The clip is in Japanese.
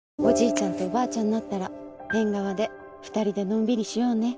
ちゃんとおばあちゃんになったら縁側で２人でのんびりしようね。